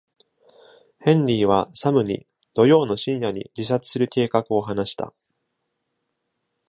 ヘンリーはサムに、土曜の深夜に自殺する計画を話した。